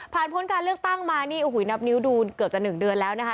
พ้นการเลือกตั้งมานี่โอ้โหนับนิ้วดูเกือบจะ๑เดือนแล้วนะคะ